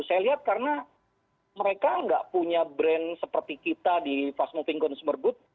saya lihat karena mereka nggak punya brand seperti kita di fast moving consumer good